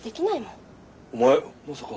お前まさか。